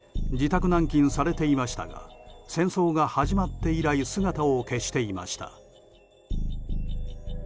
親ロシア派で自宅軟禁されていましたが戦争が始まって以来姿を消していました。